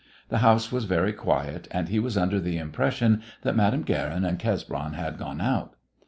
The house was very quiet, and he was under the impression that Madame Guerin and Cesbron had gone out.